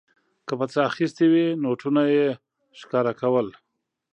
که په څه اخیستې وې نوټونه یې ښکاره کول.